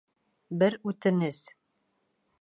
Бер үтенес.